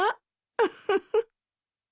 ウフフ。